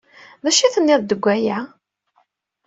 D acu ay tenniḍ deg waya?